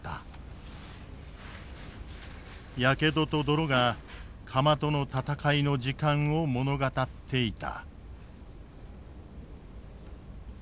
やけどと泥が釜との闘いの時間を物語っていた。